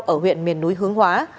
ở huyện miền núi hướng hóa